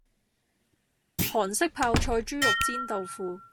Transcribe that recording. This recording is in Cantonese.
韓式泡菜豬肉煎豆腐